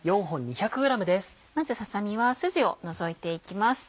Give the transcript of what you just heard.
まずささ身はスジを除いていきます。